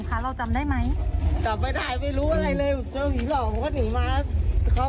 แล้วทำไมละก่อยลูกอยู่ในร่ายมันคะ